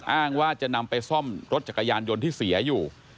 อ้างว่าจะนำไปซ่อมรถจักรยานยนต์ที่เสียอยู่